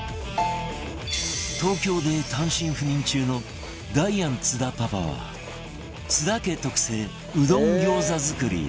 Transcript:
東京で単身赴任中のダイアン津田パパは津田家特製うどん餃子作り